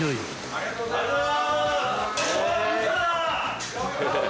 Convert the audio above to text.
ありがとうございます。